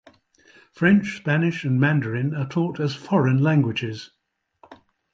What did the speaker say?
French, Spanish, and Mandarin are taught as foreign languages.